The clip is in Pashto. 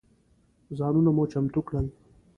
ځانونه مو چمتو کړل.